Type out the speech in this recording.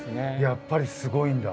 やっぱりすごいんだ？